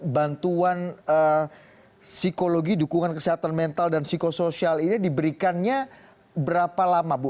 bantuan psikologi dukungan kesehatan mental dan psikosoial ini diberikannya berapa lama bu